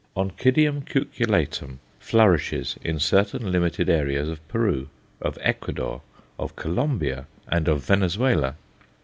Oncidium cucullatum flourishes in certain limited areas of Peru, of Ecuador, of Colombia, and of Venezuela.